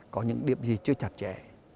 có những điểm gì chưa chặt chẽ